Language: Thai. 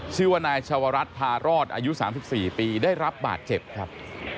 ชื่อว่านายชาวรัฐพารอดอายุ๓๔ปีได้รับบาดเจ็บครับ